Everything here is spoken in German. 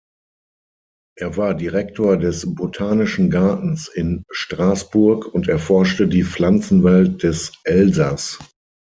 Er war Direktor des Botanischen Gartens in Straßburg und erforschte die Pflanzenwelt des Elsass.